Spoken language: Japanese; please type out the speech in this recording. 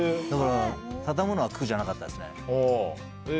だから、畳むのは苦じゃなかったですね。